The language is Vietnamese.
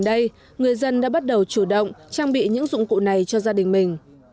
ở đây người dân đã bắt đầu chủ động trang bị những dụng cụ này cho gia đình mình